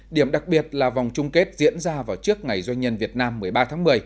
điểm đặc biệt là vòng chung kết diễn ra vào trước ngày doanh nhân việt nam một mươi ba tháng một mươi